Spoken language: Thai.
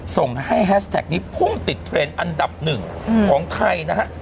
ส่งให้แฮชแท็กนี้พุ่งติดเทรนด์อันดับหนึ่งของไทยนะฮะ